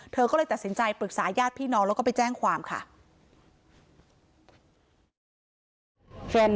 เธอก็เลยตัดสินใจปรึกษาญาติพี่น้องแล้วก็ไปแจ้งความค่ะ